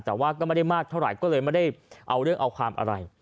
แต่ว่าก็ไม่ได้มากเท่าไหร่ก็เลยไม่ได้เอาเรื่องเอาความอะไร